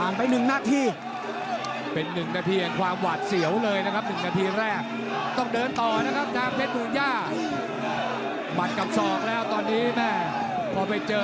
ในช่วงต้นเกง